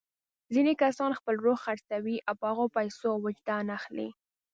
ځینې کسان خپل روح خرڅوي او په هغو پیسو وجدان اخلي.